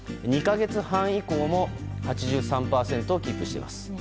２か月半以降も８３％をキープしています。